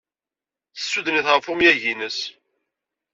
Tessuden-it ɣef umayeg-nnes.